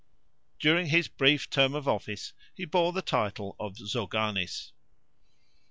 During his brief term of office he bore the title of Zoganes.